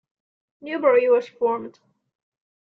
Newbury was formed.